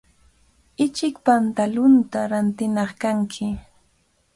Ichik pantalunta rantinaq kanki.